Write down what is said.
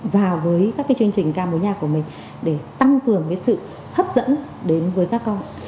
vào với các cái chương trình ca mối nhà của mình để tăng cường cái sự hấp dẫn đến với các con